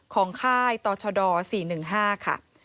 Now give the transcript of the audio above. ของค่ายตรชด๔๑๕ค่ะ